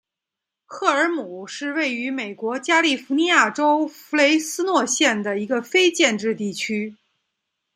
赫尔姆是位于美国加利福尼亚州弗雷斯诺县的一个非建制地区。